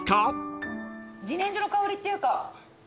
自然薯の香りっていうか。